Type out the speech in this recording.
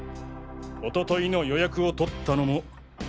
おとといの予約を取ったのも。